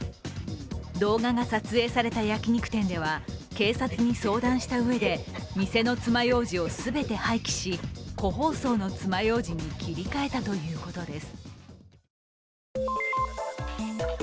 動画が撮影された焼き肉店では警察に相談したうえで店の爪楊枝を全て廃棄し、個包装の爪楊枝に切り替えたということです。